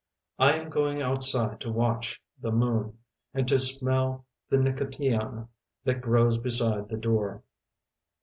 I am going outside to watch the moon and to smell the nicotiana that grows beside the door.